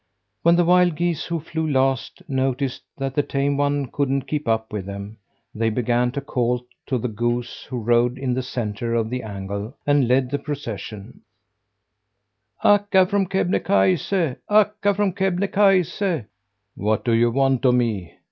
When the wild geese who flew last, noticed that the tame one couldn't keep up with them, they began to call to the goose who rode in the centre of the angle and led the procession: "Akka from Kebnekaise! Akka from Kebnekaise!" "What do you want of me?"